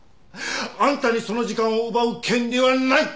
あんたにその時間を奪う権利はない！